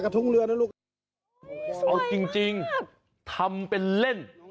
เท่านั้นจะเปลี่ยนครับ